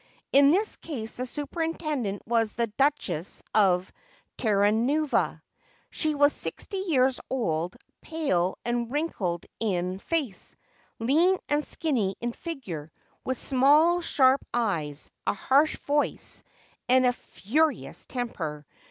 In this case the superintendent was the Duchess of Ter ranueva. She was sixty years old, pale and wrinkled in face, lean and skinny in figure, with small, sharp eyes, a harsh voice, and a furious temper.